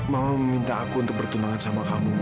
mama meminta aku untuk bertunangan sama kamu mila